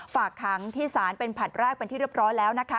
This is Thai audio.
ฝากขังที่ศาลเป็นผลัดแรกเป็นที่เรียบร้อยแล้วนะคะ